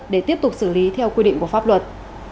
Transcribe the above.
để tiếp tục xử lý theo quy định của pháp luật